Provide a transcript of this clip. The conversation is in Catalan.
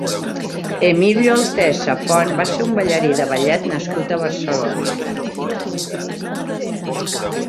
Emilio Altés Safont va ser un ballarí de ballet nascut a Barcelona.